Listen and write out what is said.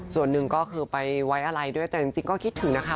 ส่วนหนึ่งก็คือไปไว้อะไรด้วยแต่จริงก็คิดถึงนะคะ